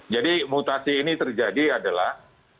jadi mutasi ini terjadi adalah